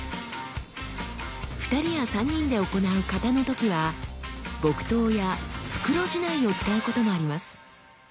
２人や３人で行う形の時は木刀や袋竹刀を使うこともあります。